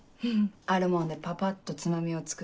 あるもんでパパッとつまみを作る。